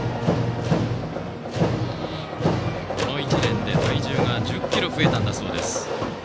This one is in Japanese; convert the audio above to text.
この１年で体重が１０ｋｇ増えたんだそうです。